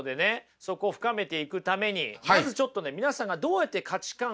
そこを深めていくためにまずちょっとね皆さんがどうやって価値観を決めていってるか